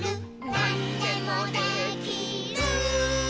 「なんでもできる！！！」